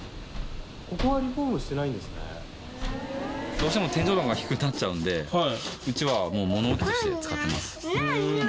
どうしても天井の方が低くなっちゃうのでうちはもう物置として使っています。